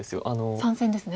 ３線ですね。